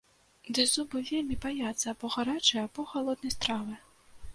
Ды зубы вельмі баяцца або гарачай, або халоднай стравы.